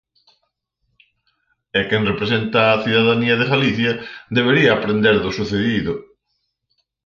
E quen representa a cidadanía de Galicia debería aprender do sucedido.